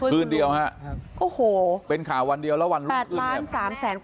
คืนเดียวเป็นข่าววันเดียวแล้ววันลุงคืน